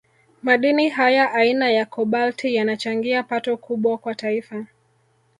Madini haya aina ya Kobalti yanachangia pato kubwa kwa Taifa